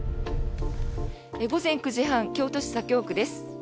午前９時半京都市左京区です。